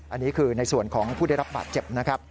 อันนี้คือในส่วนของผู้ได้รับบาดเจ็บนะครับ